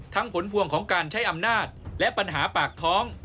ผลพวงของการใช้อำนาจและปัญหาปากท้อง